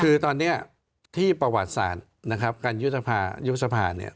คือตอนนี้ที่ประวัติศาสตร์นะครับการยุบสภาเนี่ย